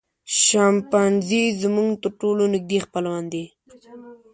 شامپانزي زموږ تر ټولو نږدې خپلوان دي.